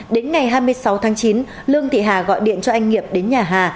đến ngày hai mươi sáu tháng chín lương thị hà gọi điện cho anh nghiệp đến nhà hà